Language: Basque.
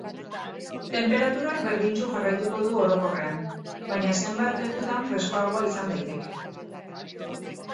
Tenperaturak berdintsu jarraituko du orokorrean, baina zenbait lekutan freskoagoa izan daiteke.